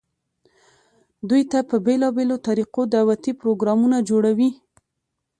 دوي ته په بيلابيلو طريقودعوتي پروګرامونه جوړووي،